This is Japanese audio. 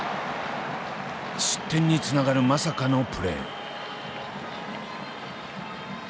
失点につながるまさかのプレー。